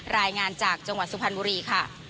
รายงานจากจังหวัดสุพรรณบุรีค่ะ